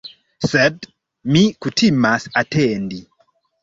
Sed mi kutimas atendi.